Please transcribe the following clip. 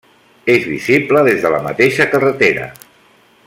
És visible des de la mateixa carretera.